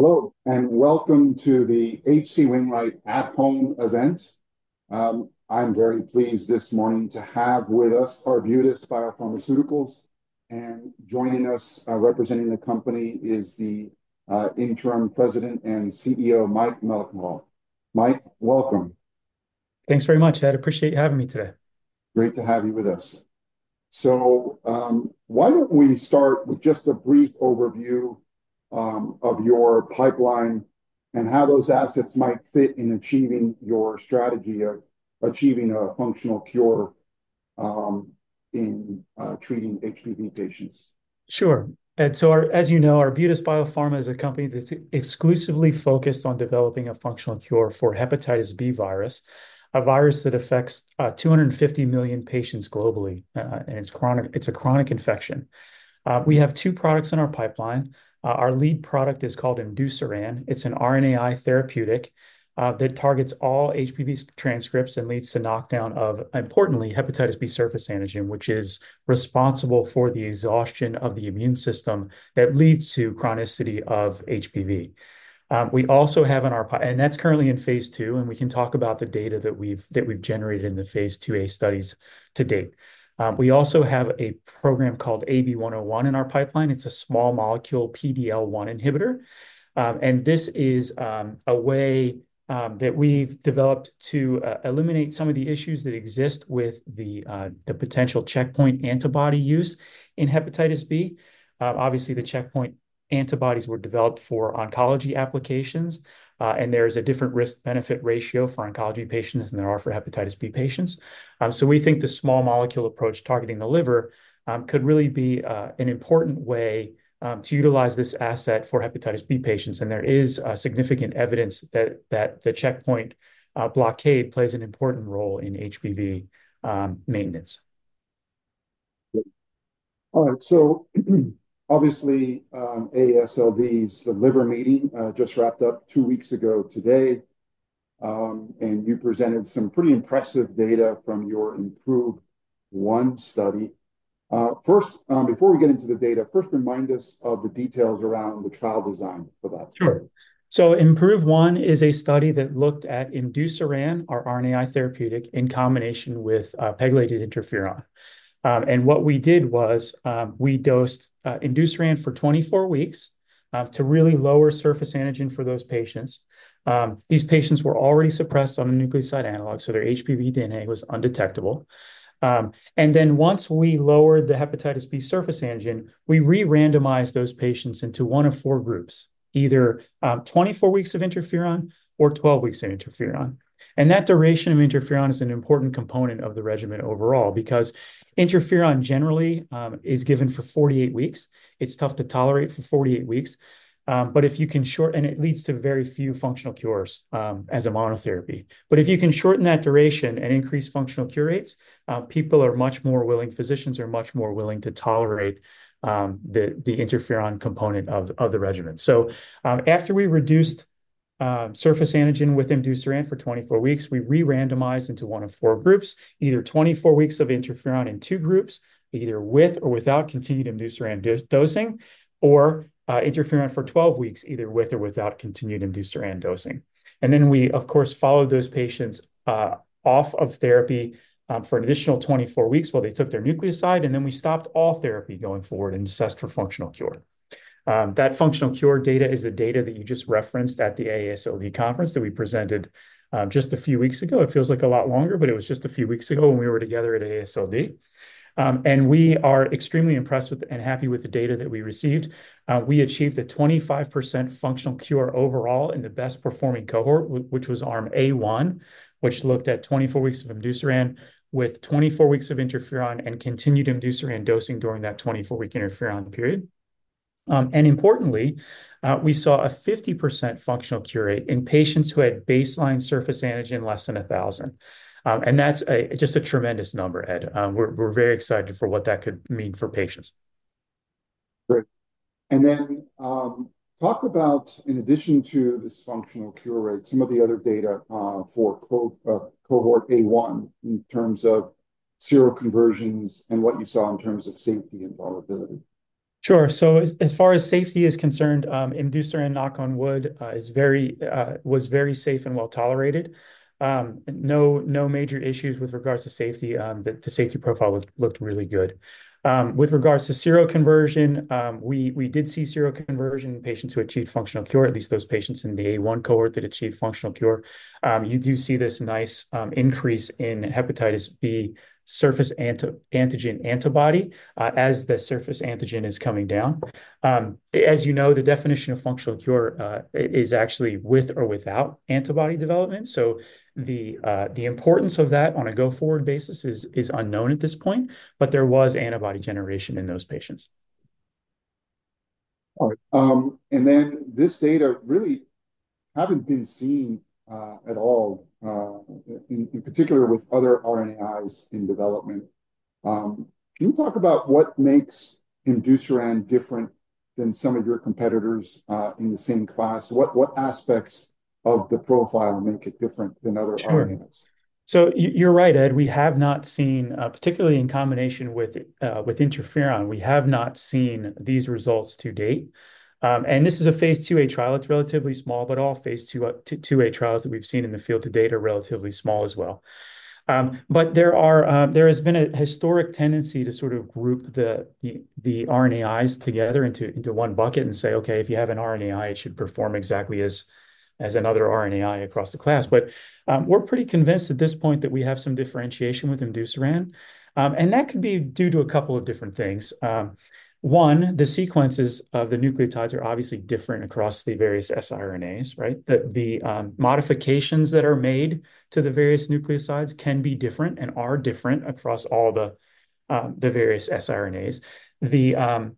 Hello, and welcome to the H.C. Wainwright at Home event. I'm very pleased this morning to have with us Arbutus Biopharmaceuticals, and joining us, representing the company, is the interim president and CEO, Mike McElhaugh. Mike, welcome. Thanks very much. I appreciate you having me today. Great to have you with us. So why don't we start with just a brief overview of your pipeline and how those assets might fit in achieving your strategy of achieving a functional cure in treating HBV patients? Sure. And so, as you know, Arbutus Biopharma is a company that's exclusively focused on developing a functional cure for hepatitis B virus, a virus that affects 250 million patients globally. And it's a chronic infection. We have two products in our pipeline. Our lead product is called imdusiran. It's an RNAi therapeutic that targets all HBV transcripts and leads to knockdown of, importantly, hepatitis B surface antigen, which is responsible for the exhaustion of the immune system that leads to chronicity of HBV. We also have in our pipeline, and that's currently in phase 2, and we can talk about the data that we've generated in the phase 2a studies to date. We also have a program called AB-101 in our pipeline. It's a small molecule PD-L1 inhibitor. This is a way that we've developed to eliminate some of the issues that exist with the potential checkpoint antibody use in hepatitis B. Obviously, the checkpoint antibodies were developed for oncology applications, and there is a different risk-benefit ratio for oncology patients than there are for hepatitis B patients. We think the small molecule approach targeting the liver could really be an important way to utilize this asset for hepatitis B patients. There is significant evidence that the checkpoint blockade plays an important role in HBV maintenance. All right, so obviously, AASLD's Liver Meeting just wrapped up two weeks ago today, and you presented some pretty impressive data from your IMPROVE-1 study. First, before we get into the data, first remind us of the details around the trial design for that study. Sure. So IMPROVE-1 is a study that looked at imdusiran, our RNAi therapeutic, in combination with pegylated interferon. And what we did was we dosed imdusiran for 24 weeks to really lower surface antigen for those patients. These patients were already suppressed on the nucleoside analog, so their HBV DNA was undetectable. And then once we lowered the hepatitis B surface antigen, we re-randomized those patients into one of four groups, either 24 weeks of interferon or 12 weeks of interferon. And that duration of interferon is an important component of the regimen overall because interferon generally is given for 48 weeks. It's tough to tolerate for 48 weeks. But if you can shorten, and it leads to very few functional cures as a monotherapy. But if you can shorten that duration and increase functional cure rates, people are much more willing, physicians are much more willing to tolerate the interferon component of the regimen. So after we reduced surface antigen with imdusiran for 24 weeks, we re-randomized into one of four groups, either 24 weeks of interferon in two groups, either with or without continued imdusiran dosing, or interferon for 12 weeks, either with or without continued imdusiran dosing. And then we, of course, followed those patients off of therapy for an additional 24 weeks while they took their nucleoside, and then we stopped all therapy going forward and assessed for functional cure. That functional cure data is the data that you just referenced at the AASLD conference that we presented just a few weeks ago. It feels like a lot longer, but it was just a few weeks ago when we were together at AASLD, and we are extremely impressed and happy with the data that we received. We achieved a 25% functional cure overall in the best-performing cohort, which was Arm A1, which looked at 24 weeks of imdusiran with 24 weeks of interferon and continued imdusiran dosing during that 24-week interferon period, and importantly, we saw a 50% functional cure rate in patients who had baseline surface antigen less than 1,000, and that's just a tremendous number, Ed. We're very excited for what that could mean for patients. Great. And then talk about, in addition to this functional cure rate, some of the other data for cohort A1 in terms of seroconversions and what you saw in terms of safety and tolerability. Sure. So as far as safety is concerned, imdusiran, knock on wood, was very safe and well tolerated. No major issues with regards to safety. The safety profile looked really good. With regards to seroconversion, we did see seroconversion in patients who achieved functional cure, at least those patients in the A1 cohort that achieved functional cure. You do see this nice increase in hepatitis B surface antigen antibody as the surface antigen is coming down. As you know, the definition of functional cure is actually with or without antibody development. So the importance of that on a go-forward basis is unknown at this point, but there was antibody generation in those patients. All right. And then this data really haven't been seen at all, in particular with other RNAi in development. Can you talk about what makes imdusiran different than some of your competitors in the same class? What aspects of the profile make it different than other RNAi? Sure. So you're right, Ed. We have not seen, particularly in combination with interferon, we have not seen these results to date. This is a phase 2a trial. It's relatively small, but all phase 2a trials that we've seen in the field to date are relatively small as well. There has been a historic tendency to sort of group the RNAi together into one bucket and say, "Okay, if you have an RNAi, it should perform exactly as another RNAi across the class." We're pretty convinced at this point that we have some differentiation with imdusiran. That could be due to a couple of different things. One, the sequences of the nucleotides are obviously different across the various siRNAs, right? The modifications that are made to the various nucleotides can be different and are different across all the various siRNAs. The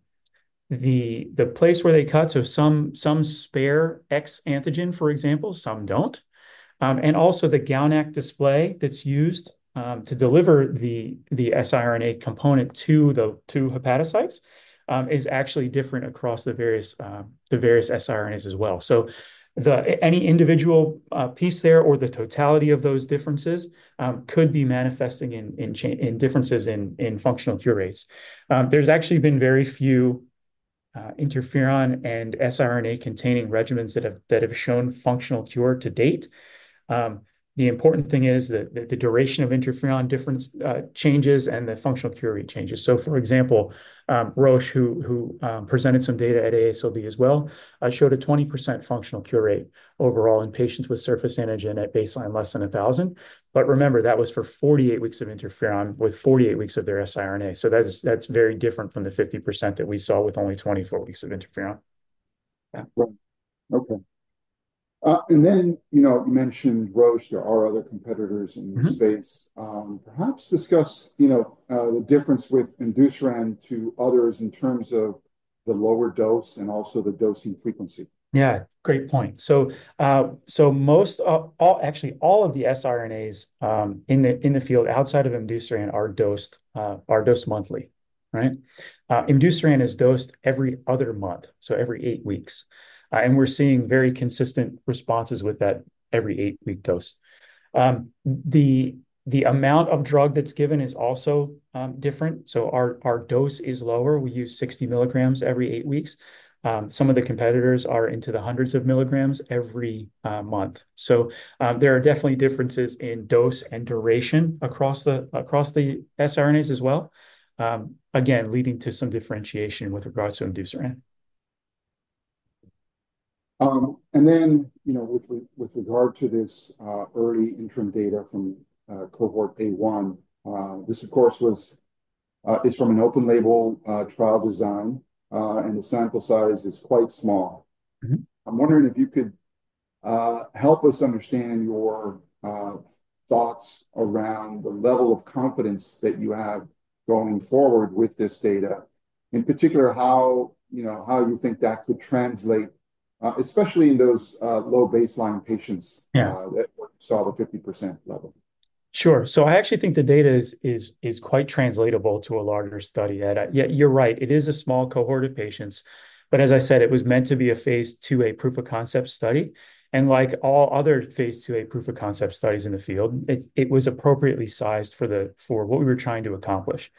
place where they cut, so some spare X antigen, for example, some don't, and also the GalNAc delivery that's used to deliver the siRNA component to hepatocytes is actually different across the various siRNAs as well, so any individual piece there or the totality of those differences could be manifesting in differences in functional cure rates. There's actually been very few interferon and siRNA-containing regimens that have shown functional cure to date. The important thing is that the duration of interferon differs and the functional cure rate changes, so, for example, Roche, who presented some data at AASLD as well, showed a 20% functional cure rate overall in patients with surface antigen at baseline less than 1,000, but remember, that was for 48 weeks of interferon with 48 weeks of their siRNA. So that's very different from the 50% that we saw with only 24 weeks of interferon. Right. Okay. And then you mentioned Roche. There are other competitors in this space. Perhaps discuss the difference with imdusiran to others in terms of the lower dose and also the dosing frequency. Yeah, great point. So actually, all of the siRNAs in the field outside of imdusiran are dosed monthly, right? Imdusiran is dosed every other month, so every eight weeks. And we're seeing very consistent responses with that every eight-week dose. The amount of drug that's given is also different. So our dose is lower. We use 60 mg every eight weeks. Some of the competitors are into the hundreds of mg every month. So there are definitely differences in dose and duration across the siRNAs as well, again, leading to some differentiation with regards to imdusiran. And then with regard to this early interim data from cohort A1, this, of course, is from an open-label trial design, and the sample size is quite small. I'm wondering if you could help us understand your thoughts around the level of confidence that you have going forward with this data, in particular how you think that could translate, especially in those low baseline patients that saw the 50% level. Sure. So I actually think the data is quite translatable to a larger study, Ed. You're right. It is a small cohort of patients. But as I said, it was meant to be a phase 2a proof of concept study. And like all other phase 2a proof of concept studies in the field, it was appropriately sized for what we were trying to accomplish.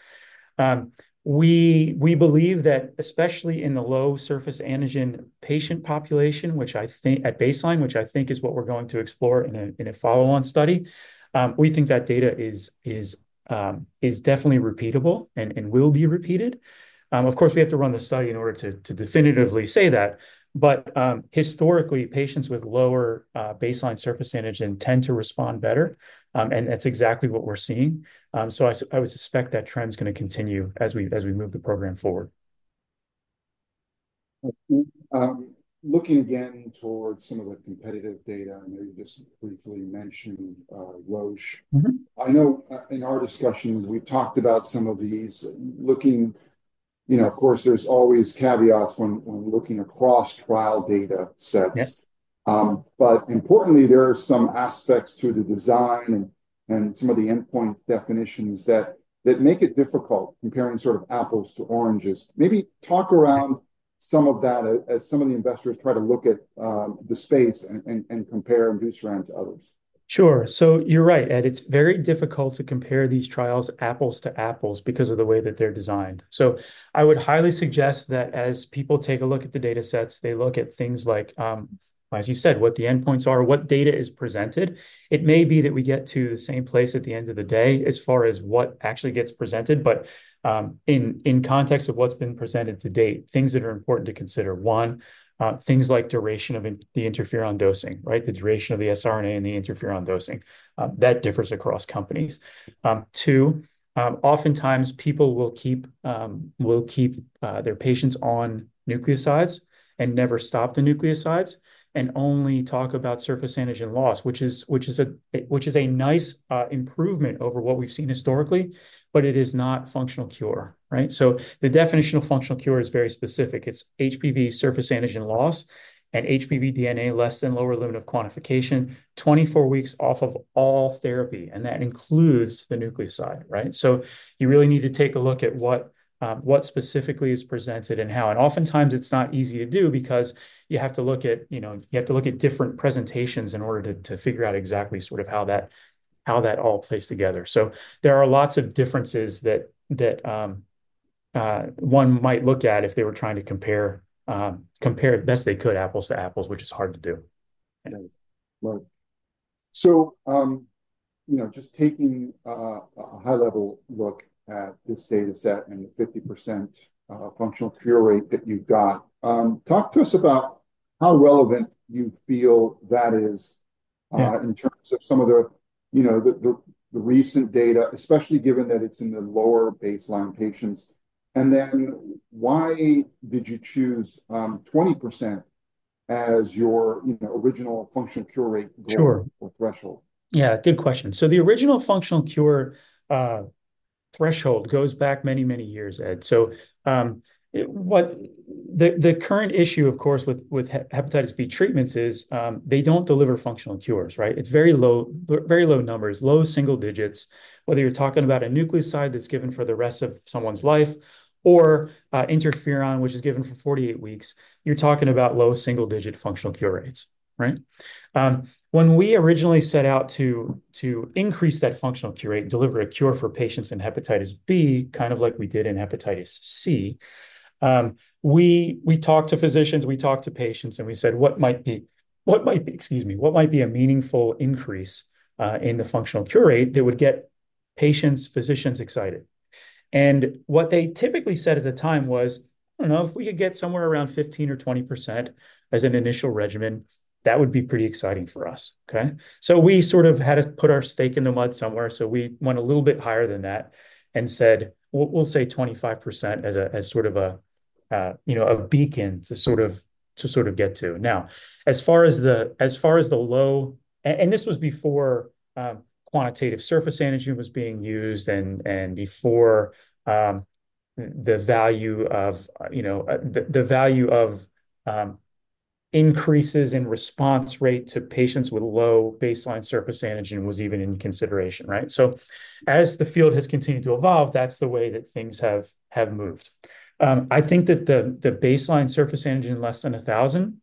We believe that, especially in the low surface antigen patient population, at baseline, which I think is what we're going to explore in a follow-on study, we think that data is definitely repeatable and will be repeated. Of course, we have to run the study in order to definitively say that. But historically, patients with lower baseline surface antigen tend to respond better, and that's exactly what we're seeing. So I would suspect that trend's going to continue as we move the program forward. Looking again towards some of the competitive data, I know you just briefly mentioned Roche. I know in our discussions, we've talked about some of these. Of course, there's always caveats when looking across trial data sets. But importantly, there are some aspects to the design and some of the endpoint definitions that make it difficult comparing sort of apples to oranges. Maybe talk around some of that as some of the investors try to look at the space and compare imdusiran to others. Sure. So you're right, Ed. It's very difficult to compare these trials apples to apples because of the way that they're designed. So I would highly suggest that as people take a look at the data sets, they look at things like, as you said, what the endpoints are, what data is presented. It may be that we get to the same place at the end of the day as far as what actually gets presented. But in context of what's been presented to date, things that are important to consider. One, things like duration of the interferon dosing, right? The duration of the siRNA and the interferon dosing. That differs across companies. Too, oftentimes people will keep their patients on nucleosides and never stop the nucleosides and only talk about surface antigen loss, which is a nice improvement over what we've seen historically, but it is not functional cure, right? So the definition of functional cure is very specific. It's HBV surface antigen loss and HBV DNA less than lower limit of quantification, 24 weeks off of all therapy. And that includes the nucleoside, right? So you really need to take a look at what specifically is presented and how. And oftentimes it's not easy to do because you have to look at different presentations in order to figure out exactly sort of how that all plays together. So there are lots of differences that one might look at if they were trying to compare best they could apples to apples, which is hard to do. Right. So just taking a high-level look at this data set and the 50% functional cure rate that you've got, talk to us about how relevant you feel that is in terms of some of the recent data, especially given that it's in the lower baseline patients. And then why did you choose 20% as your original functional cure rate goal or threshold? Sure. Yeah, good question. So the original functional cure threshold goes back many, many years, Ed. So the current issue, of course, with hepatitis B treatments is they don't deliver functional cures, right? It's very low numbers, low single digits. Whether you're talking about a nucleoside that's given for the rest of someone's life or interferon, which is given for 48 weeks, you're talking about low single-digit functional cure rates, right? When we originally set out to increase that functional cure rate, deliver a cure for patients in hepatitis B, kind of like we did in hepatitis C, we talked to physicians, we talked to patients, and we said, "What might be, excuse me, what might be a meaningful increase in the functional cure rate that would get patients, physicians excited?" And what they typically said at the time was, "I don't know. If we could get somewhere around 15 or 20% as an initial regimen, that would be pretty exciting for us, okay, so we sort of had to put our stake in the ground somewhere, so we went a little bit higher than that and said, 'We'll say 25% as sort of a beacon to sort of get to.' Now, as far as the low, and this was before quantitative surface antigen was being used and before the value of increases in response rate to patients with low baseline surface antigen was even in consideration, right, so as the field has continued to evolve, that's the way that things have moved. I think that the baseline surface antigen less than 1,000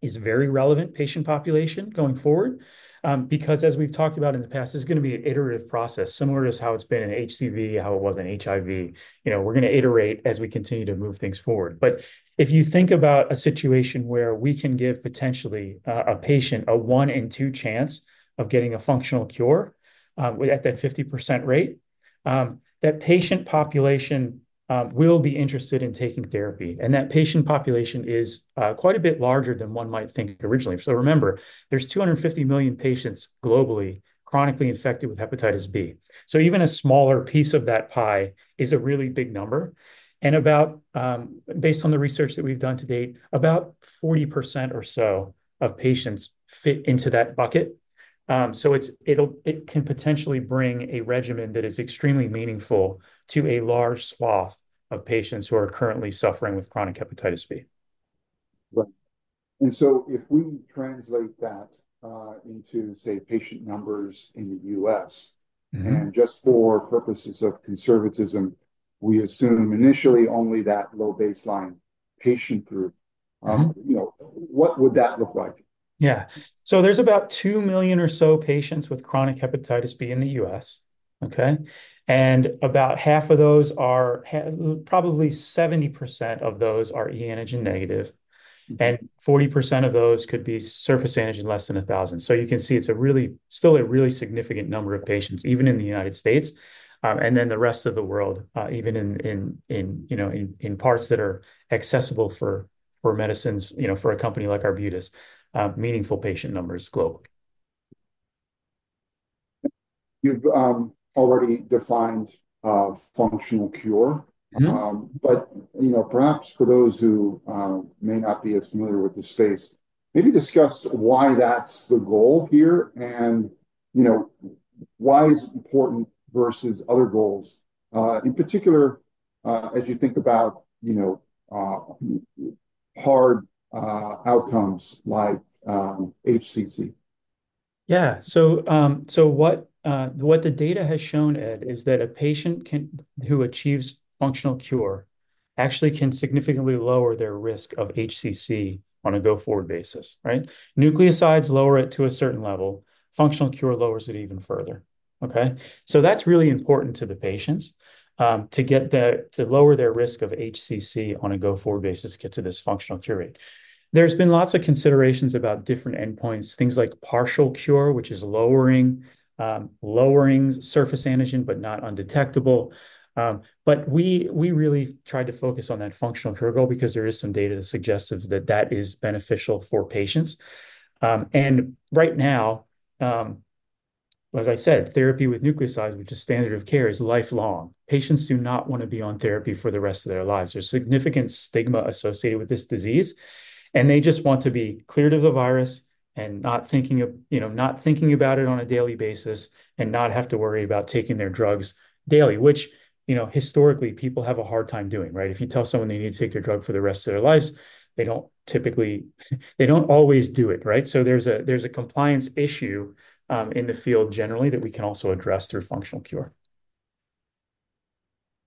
is very relevant patient population going forward because, as we've talked about in the past, it's going to be an iterative process, similar to how it's been in HCV, how it was in HIV, we're going to iterate as we continue to move things forward, but if you think about a situation where we can give potentially a patient a one-in-two chance of getting a functional cure at that 50% rate, that patient population will be interested in taking therapy, and that patient population is quite a bit larger than one might think originally, so remember, there's 250 million patients globally chronically infected with hepatitis B, so even a smaller piece of that pie is a really big number, and based on the research that we've done to date, about 40% or so of patients fit into that bucket. So it can potentially bring a regimen that is extremely meaningful to a large swath of patients who are currently suffering with chronic hepatitis B. Right, and so if we translate that into, say, patient numbers in the U.S., and just for purposes of conservatism, we assume initially only that low baseline patient group, what would that look like? Yeah. So there's about two million or so patients with chronic hepatitis B in the U.S., okay? And about half of those are probably 70% of those are e-antigen negative. And 40% of those could be surface antigen less than 1,000. So you can see it's still a really significant number of patients, even in the United States. And then the rest of the world, even in parts that are accessible for medicines, for a company like Arbutus, meaningful patient numbers globally. You've already defined functional cure. But perhaps for those who may not be as familiar with the space, maybe discuss why that's the goal here and why is it important versus other goals, in particular, as you think about hard outcomes like HCC? Yeah. So what the data has shown, Ed, is that a patient who achieves functional cure actually can significantly lower their risk of HCC on a go-forward basis, right? Nucleosides lower it to a certain level. Functional cure lowers it even further, okay? So that's really important to the patients to lower their risk of HCC on a go-forward basis to get to this functional cure rate. There's been lots of considerations about different endpoints, things like partial cure, which is lowering surface antigen, but not undetectable. But we really tried to focus on that functional cure goal because there is some data that suggests that that is beneficial for patients. And right now, as I said, therapy with nucleosides, which is standard of care, is lifelong. Patients do not want to be on therapy for the rest of their lives. There's significant stigma associated with this disease. They just want to be cleared of the virus and not thinking about it on a daily basis and not have to worry about taking their drugs daily, which historically, people have a hard time doing, right? If you tell someone they need to take their drug for the rest of their lives, they don't typically always do it, right? So there's a compliance issue in the field generally that we can also address through functional cure.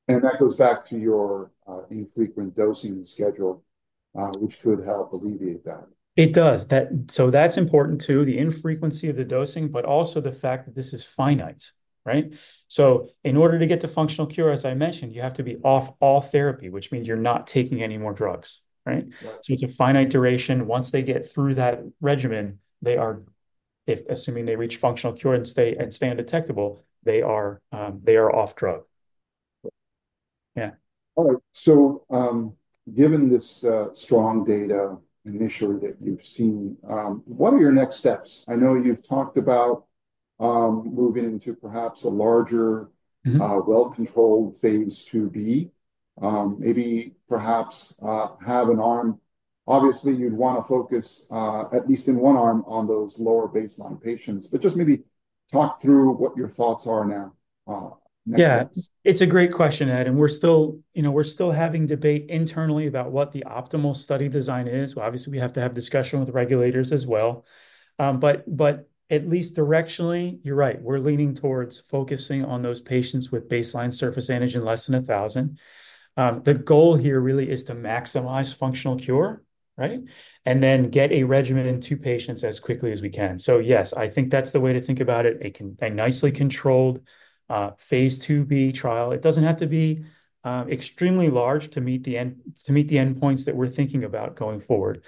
That goes back to your infrequent dosing schedule, which could help alleviate that. It does. So that's important too, the infrequency of the dosing, but also the fact that this is finite, right? So in order to get to functional cure, as I mentioned, you have to be off all therapy, which means you're not taking any more drugs, right? So it's a finite duration. Once they get through that regimen, assuming they reach functional cure and stay undetectable, they are off drug. Yeah. All right. So given this strong data initially that you've seen, what are your next steps? I know you've talked about moving into perhaps a larger well-controlled phase 2b, maybe perhaps have an arm. Obviously, you'd want to focus at least in one arm on those lower baseline patients. But just maybe talk through what your thoughts are now. Yeah. It's a great question, Ed. And we're still having debate internally about what the optimal study design is. Obviously, we have to have discussion with regulators as well. But at least directionally, you're right. We're leaning towards focusing on those patients with baseline surface antigen less than 1,000. The goal here really is to maximize functional cure, right? And then get a regimen into patients as quickly as we can. So yes, I think that's the way to think about it. A nicely controlled phase 2b trial. It doesn't have to be extremely large to meet the endpoints that we're thinking about going forward.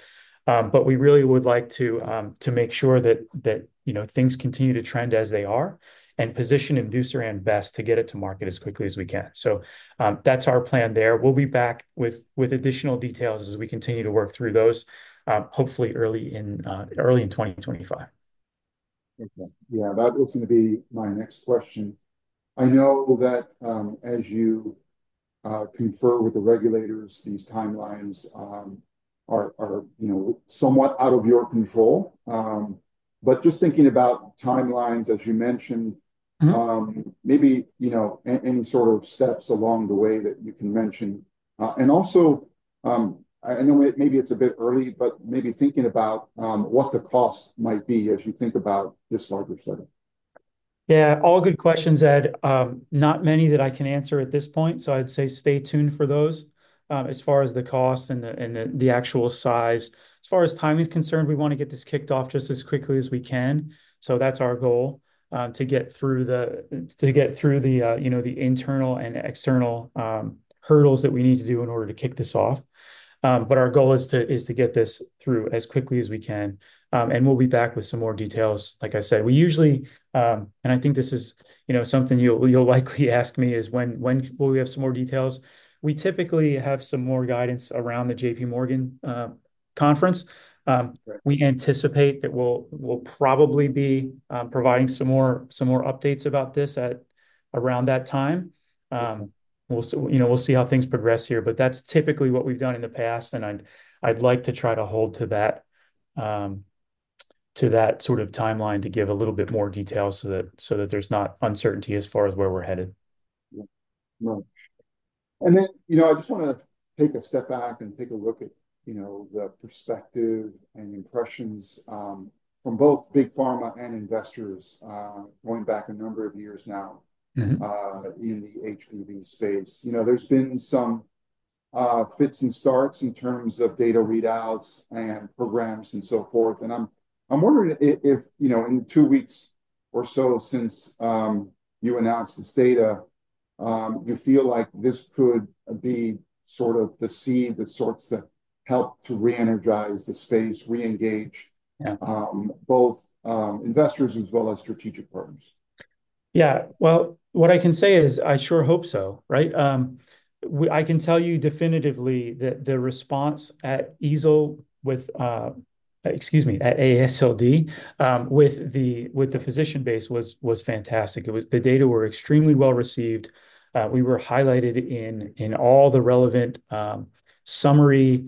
But we really would like to make sure that things continue to trend as they are and position imdusiran best to get it to market as quickly as we can. So that's our plan there. We'll be back with additional details as we continue to work through those, hopefully early in 2025. Yeah. That was going to be my next question. I know that as you confer with the regulators, these timelines are somewhat out of your control. But just thinking about timelines, as you mentioned, maybe any sort of steps along the way that you can mention. And also, I know maybe it's a bit early, but maybe thinking about what the cost might be as you think about this larger study. Yeah. All good questions, Ed. Not many that I can answer at this point. So I'd say stay tuned for those as far as the cost and the actual size. As far as time is concerned, we want to get this kicked off just as quickly as we can. So that's our goal, to get through the internal and external hurdles that we need to do in order to kick this off. But our goal is to get this through as quickly as we can. And we'll be back with some more details, like I said. And I think this is something you'll likely ask me is, "When will we have some more details?" We typically have some more guidance around the J.P. Morgan conference. We anticipate that we'll probably be providing some more updates about this around that time. We'll see how things progress here. But that's typically what we've done in the past. And I'd like to try to hold to that sort of timeline to give a little bit more detail so that there's not uncertainty as far as where we're headed. Right, and then I just want to take a step back and take a look at the perspective and impressions from both big pharma and investors going back a number of years now in the HBV space. There's been some fits and starts in terms of data readouts and programs and so forth. And I'm wondering if in two weeks or so since you announced this data, you feel like this could be sort of the seed that starts to help to re-energize the space, re-engage both investors as well as strategic partners. Yeah, well, what I can say is I sure hope so, right? I can tell you definitively that the response at AASLD with the physician base was fantastic. The data were extremely well received. We were highlighted in all the relevant summary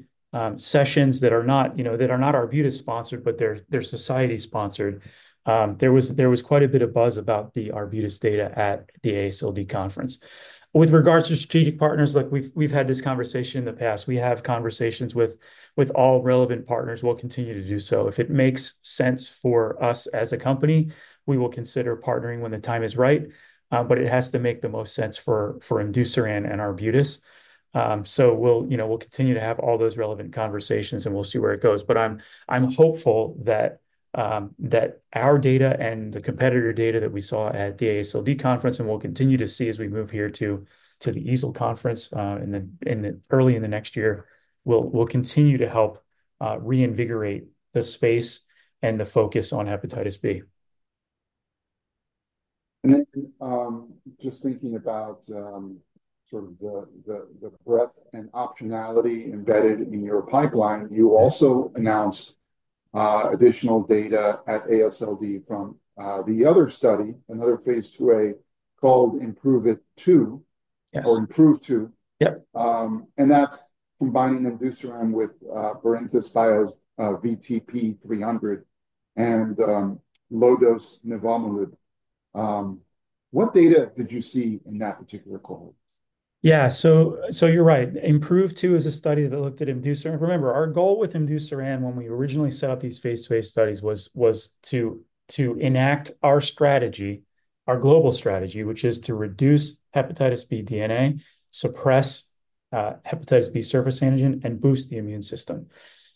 sessions that are not Arbutus-sponsored, but they're society-sponsored. There was quite a bit of buzz about the Arbutus data at the AASLD conference. With regards to strategic partners, we've had this conversation in the past. We have conversations with all relevant partners. We'll continue to do so. If it makes sense for us as a company, we will consider partnering when the time is right. But it has to make the most sense for imdusiran and Arbutus. So we'll continue to have all those relevant conversations, and we'll see where it goes. But I'm hopeful that our data and the competitor data that we saw at the AASLD conference, and we'll continue to see as we move here to the AASLD conference early in the next year, we'll continue to help reinvigorate the space and the focus on hepatitis B. Then just thinking about sort of the breadth and optionality embedded in your pipeline, you also announced additional data at AASLD from the other study, another phase 2a called IMPROVE-2. And that's combining imdusiran with Barinthus Biotherapeutics VTP-300 and low-dose nivolumab. What data did you see in that particular cohort? Yeah. So you're right. IMPROVE-2 is a study that looked at imdusiran. Remember, our goal with imdusiran when we originally set up these phase 2a studies was to enact our strategy, our global strategy, which is to reduce hepatitis B DNA, suppress hepatitis B surface antigen, and boost the immune system.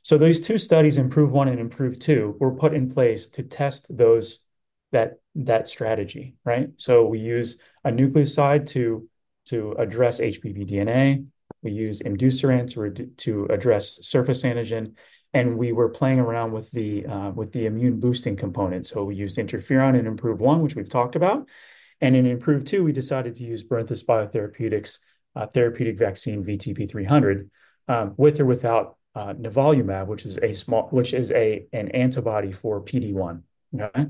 So those two studies, IMPROVE-1 and IMPROVE-2, were put in place to test that strategy, right? So we use a nucleoside to address HBV DNA. We use imdusiran to address surface antigen. And we were playing around with the immune-boosting component. So we used interferon in IMPROVE-1, which we've talked about. And in IMPROVE-2, we decided to use Barinthus Biotherapeutics' therapeutic vaccine, VTP-300, with or without nivolumab, which is an antibody for PD-1, okay?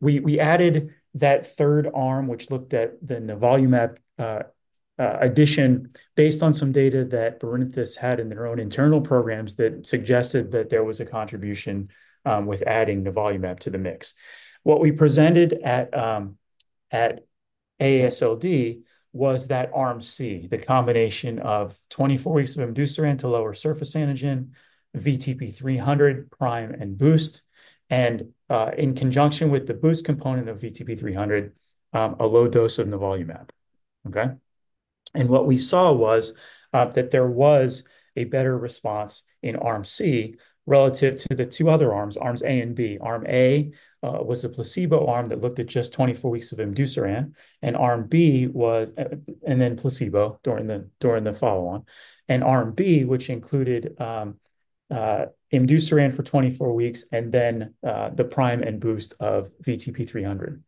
We added that third arm, which looked at the nivolumab addition based on some data that Barinthus had in their own internal programs that suggested that there was a contribution with adding nivolumab to the mix. What we presented at AASLD was that Arm C, the combination of 24 weeks of imdusiran to lower surface antigen, VTP-300 prime and boost, and in conjunction with the boost component of VTP-300, a low dose of nivolumab, okay? What we saw was that there was a better response in Arm C relative to the two other arms, Arms A and B. Arm A was a placebo arm that looked at just 24 weeks of imdusiran, and then placebo during the follow-on. Arm B, which included imdusiran for 24 weeks and then the prime and boost of VTP-300.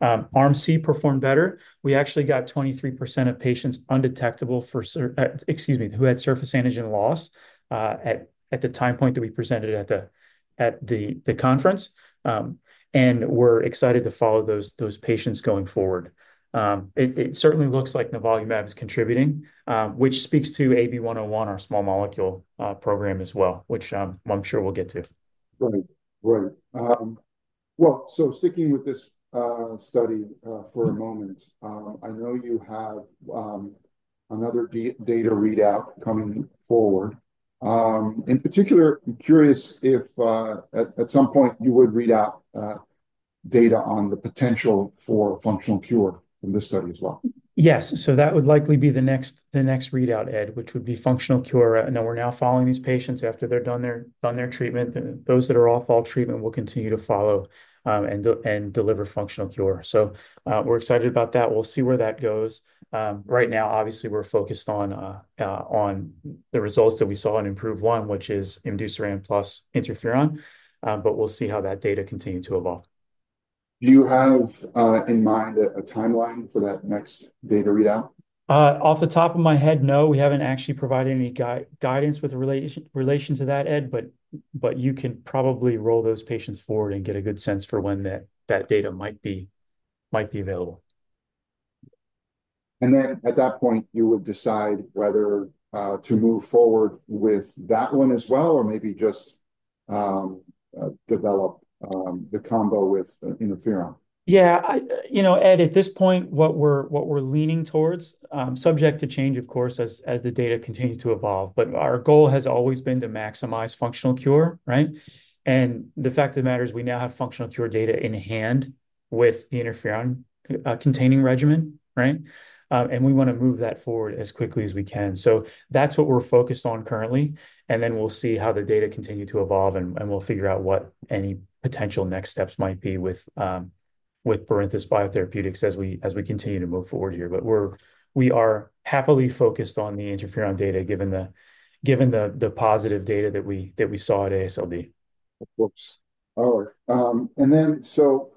Arm C performed better. We actually got 23% of patients undetectable for, excuse me, who had surface antigen loss at the time point that we presented at the conference, and we're excited to follow those patients going forward. It certainly looks like nivolumab is contributing, which speaks to AB-101, our small molecule program as well, which I'm sure we'll get to. Right. Right. Well, so sticking with this study for a moment, I know you have another data readout coming forward. In particular, I'm curious if at some point you would read out data on the potential for functional cure from this study as well? Yes. So that would likely be the next readout, Ed, which would be functional cure. Now we're following these patients after they're done their treatment. Those that are off all treatment will continue to follow and deliver functional cure. So we're excited about that. We'll see where that goes. Right now, obviously, we're focused on the results that we saw in IMPROVE-1, which is imdusiran plus interferon. But we'll see how that data continues to evolve. Do you have in mind a timeline for that next data readout? Off the top of my head, no. We haven't actually provided any guidance with relation to that, Ed. But you can probably roll those patients forward and get a good sense for when that data might be available. And then at that point, you would decide whether to move forward with that one as well or maybe just develop the combo with interferon. Yeah. You know, Ed, at this point, what we're leaning towards, subject to change, of course, as the data continues to evolve. Our goal has always been to maximize functional cure, right? The fact of the matter is we now have functional cure data in hand with the interferon-containing regimen, right? We want to move that forward as quickly as we can. That's what we're focused on currently. Then we'll see how the data continue to evolve, and we'll figure out what any potential next steps might be with Barinthus Biotherapeutics as we continue to move forward here. We are happily focused on the interferon data given the positive data that we saw at AASLD. All right. And then so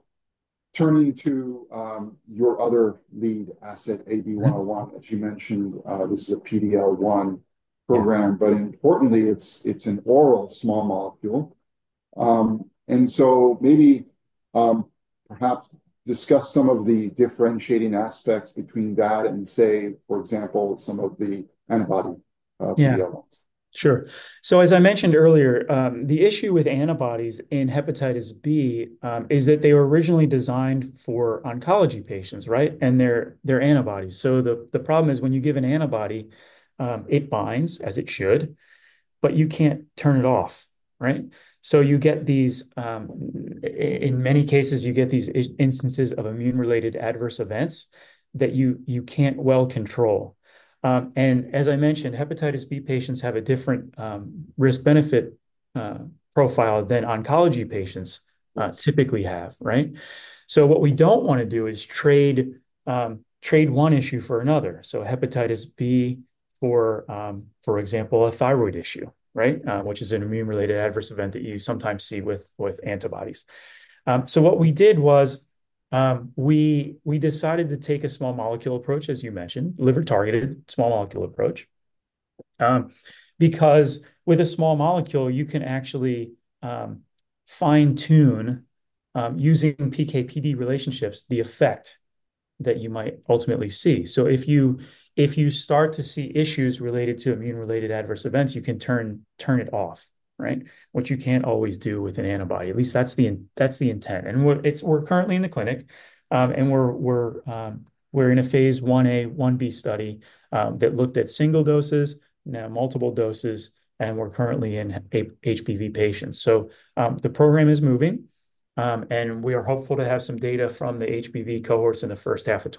turning to your other lead asset, AB-101, as you mentioned, this is a PD-L1 program. But importantly, it's an oral small molecule. And so maybe perhaps discuss some of the differentiating aspects between that and say, for example, some of the antibody PD-L1s. Yeah. Sure. So as I mentioned earlier, the issue with antibodies in hepatitis B is that they were originally designed for oncology patients, right? And they're antibodies. So the problem is when you give an antibody, it binds as it should, but you can't turn it off, right? So in many cases, you get these instances of immune-related adverse events that you can't well control. And as I mentioned, hepatitis B patients have a different risk-benefit profile than oncology patients typically have, right? So what we don't want to do is trade one issue for another. So hepatitis B for, for example, a thyroid issue, right? Which is an immune-related adverse event that you sometimes see with antibodies. So what we did was we decided to take a small molecule approach, as you mentioned, liver-targeted small molecule approach. Because with a small molecule, you can actually fine-tune using PK/PD relationships the effect that you might ultimately see. So if you start to see issues related to immune-related adverse events, you can turn it off, right? Which you can't always do with an antibody. At least that's the intent. And we're currently in the clinic, and we're in a phase 1a, 1b study that looked at single doses, now multiple doses, and we're currently in HBV patients. So the program is moving, and we are hopeful to have some data from the HBV cohorts in the first half of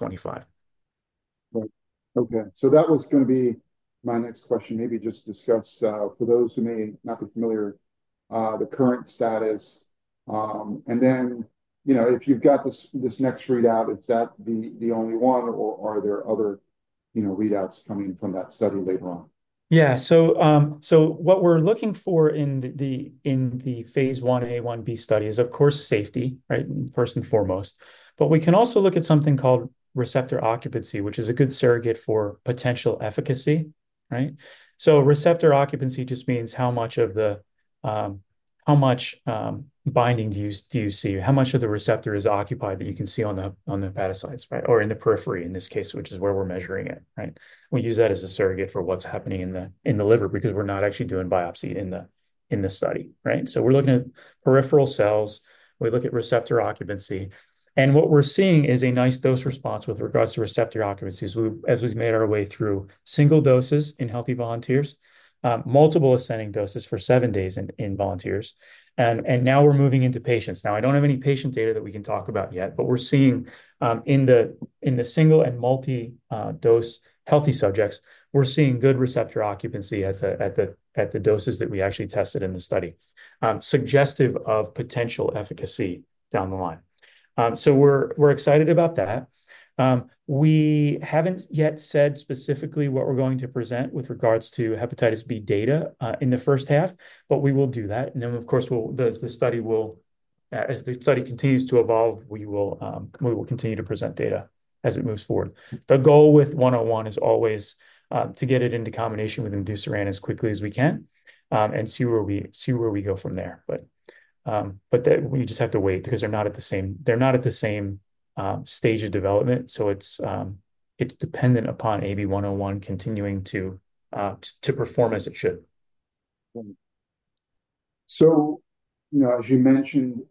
2025. Right. Okay. So that was going to be my next question. Maybe just discuss for those who may not be familiar, the current status. And then if you've got this next readout, is that the only one, or are there other readouts coming from that study later on? Yeah. So what we're looking for in the phase 1A, 1B study is, of course, safety, right? First and foremost, but we can also look at something called receptor occupancy, which is a good surrogate for potential efficacy, right? So receptor occupancy just means how much of the binding do you see? How much of the receptor is occupied that you can see on the hepatocytes, right? Or in the periphery in this case, which is where we're measuring it, right? We use that as a surrogate for what's happening in the liver because we're not actually doing biopsy in the study, right? So we're looking at peripheral cells. We look at receptor occupancy. And what we're seeing is a nice dose response with regards to receptor occupancy as we've made our way through single doses in healthy volunteers, multiple ascending doses for seven days in volunteers. Now we're moving into patients. Now, I don't have any patient data that we can talk about yet, but we're seeing in the single and multi-dose healthy subjects, we're seeing good receptor occupancy at the doses that we actually tested in the study, suggestive of potential efficacy down the line. We're excited about that. We haven't yet said specifically what we're going to present with regards to hepatitis B data in the first half, but we will do that. Then, of course, as the study continues to evolve, we will continue to present data as it moves forward. The goal with 101 is always to get it into combination with imdusiran as quickly as we can and see where we go from there. We just have to wait because they're not at the same stage of development. So it's dependent upon AB-101 continuing to perform as it should. So as you mentioned,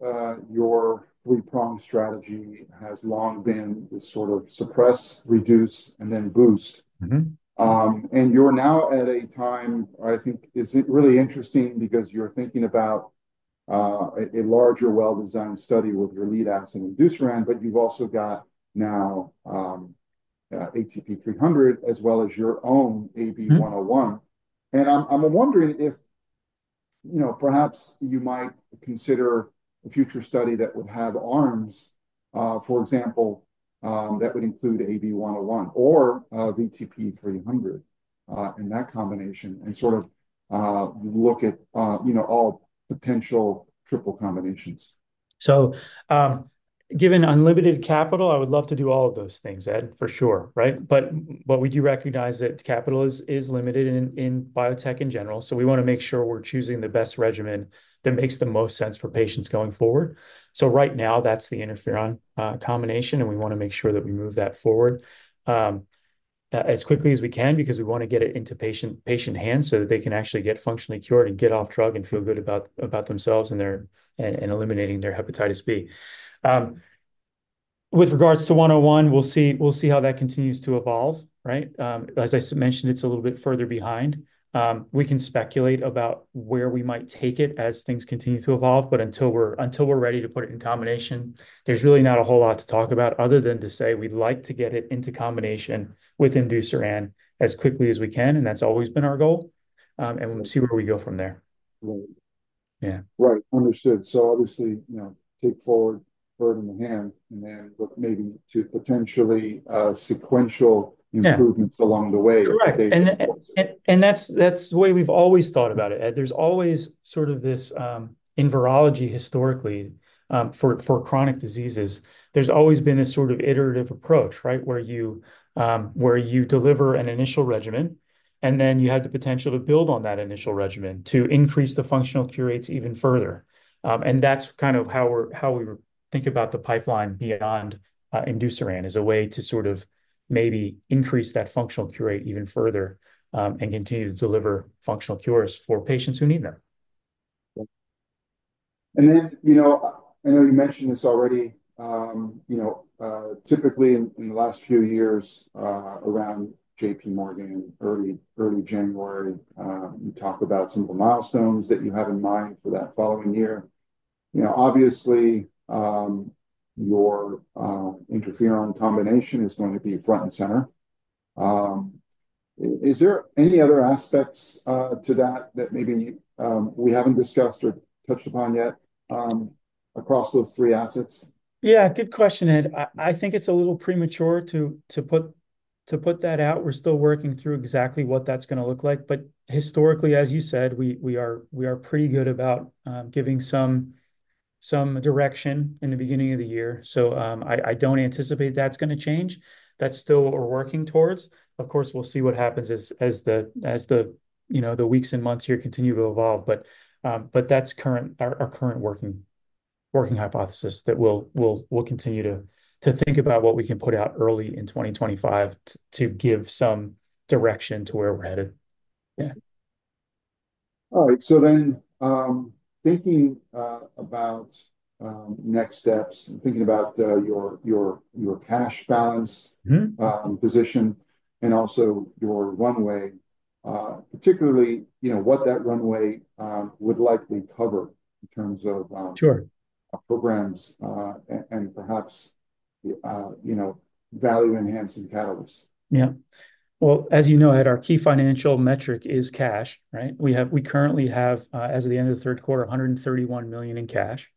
your three-prong strategy has long been this sort of suppress, reduce, and then boost. And you're now at a time, I think, is really interesting because you're thinking about a larger well-designed study with your lead asset, imdusiran, but you've also got now VTP-300 as well as your own AB-101. And I'm wondering if perhaps you might consider a future study that would have arms, for example, that would include AB-101 or VTP-300 and that combination and sort of look at all potential triple combinations. So given unlimited capital, I would love to do all of those things, Ed, for sure, right? But we do recognize that capital is limited in biotech in general. So we want to make sure we're choosing the best regimen that makes the most sense for patients going forward. So right now, that's the interferon combination, and we want to make sure that we move that forward as quickly as we can because we want to get it into patient hands so that they can actually get functionally cured and get off drug and feel good about themselves and eliminating their hepatitis B. With regards to 101, we'll see how that continues to evolve, right? As I mentioned, it's a little bit further behind. We can speculate about where we might take it as things continue to evolve. But until we're ready to put it in combination, there's really not a whole lot to talk about other than to say we'd like to get it into combination with imdusiran as quickly as we can. And that's always been our goal. And we'll see where we go from there. Right. Right. Understood. So obviously, take forward, bird in the hand, and then maybe to potentially sequential improvements along the way. Correct. And that's the way we've always thought about it, Ed. There's always sort of this in virology historically for chronic diseases. There's always been this sort of iterative approach, right, where you deliver an initial regimen, and then you have the potential to build on that initial regimen to increase the functional cure rates even further. And that's kind of how we think about the pipeline beyond imdusiran as a way to sort of maybe increase that functional cure rate even further and continue to deliver functional cures for patients who need them. And then I know you mentioned this already. Typically, in the last few years around J.P. Morgan, early January, you talk about some of the milestones that you have in mind for that following year. Obviously, your interferon combination is going to be front and center. Is there any other aspects to that that maybe we haven't discussed or touched upon yet across those three assets? Yeah. Good question, Ed. I think it's a little premature to put that out. We're still working through exactly what that's going to look like. But historically, as you said, we are pretty good about giving some direction in the beginning of the year. So I don't anticipate that's going to change. That's still what we're working towards. Of course, we'll see what happens as the weeks and months here continue to evolve. But that's our current working hypothesis that we'll continue to think about what we can put out early in 2025 to give some direction to where we're headed. Yeah. All right. So then thinking about next steps, thinking about your cash balance position and also your runway, particularly what that runway would likely cover in terms of programs and perhaps value-enhancing catalysts. Yeah. Well, as you know, Ed, our key financial metric is cash, right? We currently have, as of the end of the third quarter, $131 million in cash.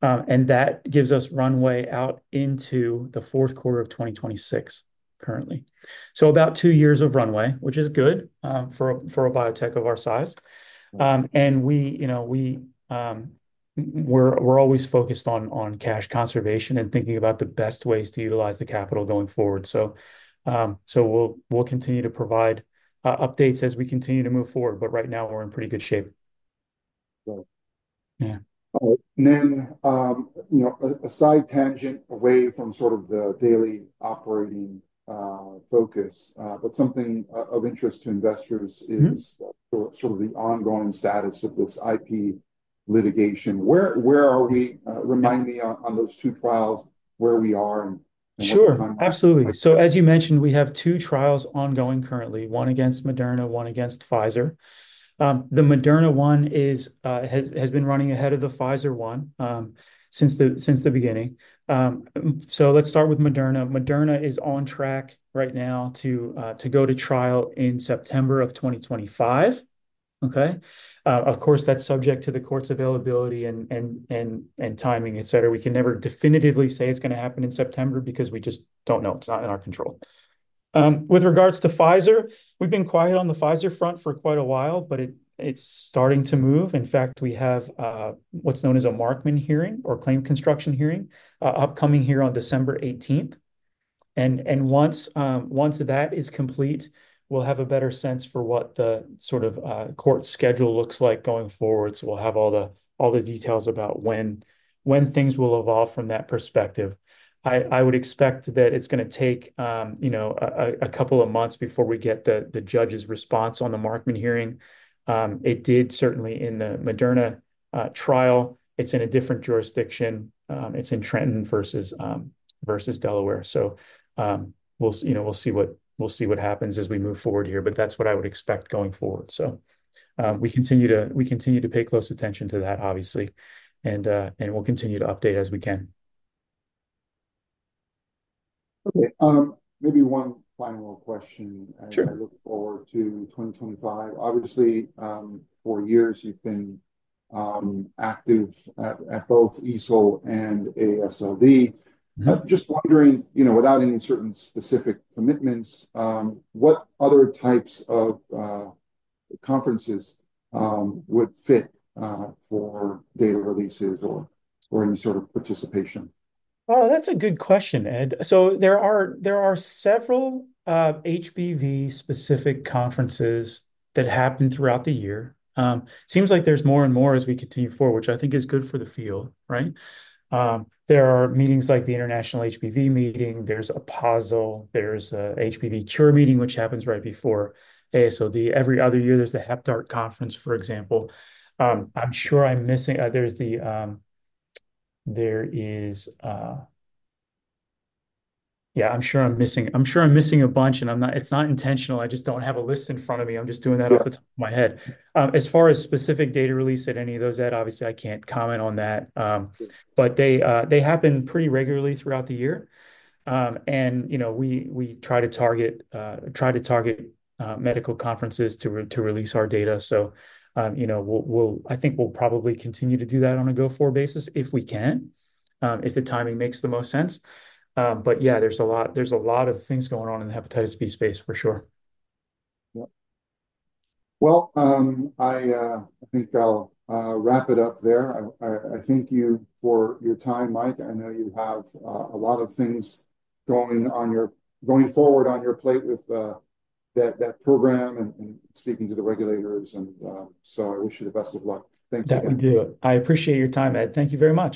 And that gives us runway out into the fourth quarter of 2026 currently. So about two years of runway, which is good for a biotech of our size. And we're always focused on cash conservation and thinking about the best ways to utilize the capital going forward. So we'll continue to provide updates as we continue to move forward. But right now, we're in pretty good shape. Right. All right. And then aside tangent away from sort of the daily operating focus, but something of interest to investors is sort of the ongoing status of this IP litigation. Where are we? Remind me on those two trials where we are and what's going on. Sure. Absolutely. So as you mentioned, we have two trials ongoing currently, one against Moderna, one against Pfizer. The Moderna one has been running ahead of the Pfizer one since the beginning. So let's start with Moderna. Moderna is on track right now to go to trial in September of 2025, okay? Of course, that's subject to the court's availability and timing, etc. We can never definitively say it's going to happen in September because we just don't know. It's not in our control. With regards to Pfizer, we've been quiet on the Pfizer front for quite a while, but it's starting to move. In fact, we have what's known as a Markman hearing or claim construction hearing upcoming here on December 18th. And once that is complete, we'll have a better sense for what the sort of court schedule looks like going forward. We'll have all the details about when things will evolve from that perspective. I would expect that it's going to take a couple of months before we get the judge's response on the Markman hearing. It did certainly in the Moderna trial. It's in a different jurisdiction. It's in Trenton versus Delaware. We'll see what happens as we move forward here. That's what I would expect going forward. We continue to pay close attention to that, obviously. We'll continue to update as we can. Okay. Maybe one final question. I look forward to 2025. Obviously, for years, you've been active at both EASL and AASLD. Just wondering, without any certain specific commitments, what other types of conferences would fit for data releases or any sort of participation? Oh, that's a good question, Ed. So there are several HBV-specific conferences that happen throughout the year. Seems like there's more and more as we continue forward, which I think is good for the field, right? There are meetings like the International HBV Meeting. There's an APASL. There's an HBV Cure meeting, which happens right before AASLD. Every other year, there's the Hep DART Conference, for example. I'm sure I'm missing a bunch, and it's not intentional. I just don't have a list in front of me. I'm just doing that off the top of my head. As far as specific data release at any of those, Ed, obviously, I can't comment on that. But they happen pretty regularly throughout the year, and we try to target medical conferences to release our data. So I think we'll probably continue to do that on a go-forward basis if we can, if the timing makes the most sense. But yeah, there's a lot of things going on in the hepatitis B space, for sure. Yep. Well, I think I'll wrap it up there. I thank you for your time, Mike. I know you have a lot of things going forward on your plate with that program and speaking to the regulators. And so I wish you the best of luck. Thanks again. Definitely. I appreciate your time, Ed. Thank you very much.